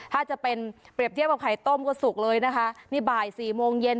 ถ้าจะเป็นเปรียบเทียบกับไข่ต้มก็สุกเลยนะคะนี่บ่ายสี่โมงเย็น